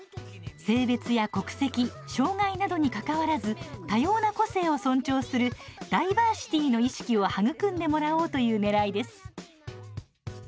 性別や国籍障害などにかかわらず多様な個性を尊重するダイバーシティーの意識を育んでもらおうというねらいです。